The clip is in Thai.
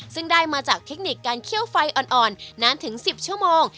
ซึ่งได้มาจากเทคนิคการเคี่ยวไฟอ่อนนานถึง๑๐ชั่วโมง